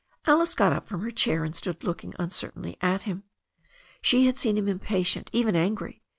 Alice got up from her chair, and stood looking uncer tainly at him. She had seen him impatient, even angry.